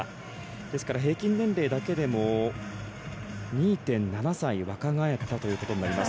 ですから平均年齢だけでも２．７歳若返ったということになります。